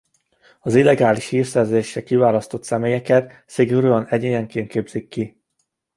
Az illegális hírszerzésre kiválasztott személyeket szigorúan egyénenként képzik ki.